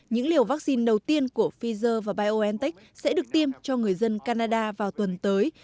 những liều vaccine đầu tiên của pfizer và biontech sẽ được tiêm cho người dân canada vào tuần tới